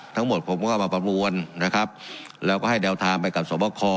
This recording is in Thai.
ทั้งหมดผมก็เอามาประมวลนะครับแล้วก็ให้แนวทางไปกับสวบคอ